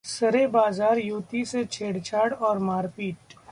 सरेबाजार युवती से छेड़छाड़ और मारपीट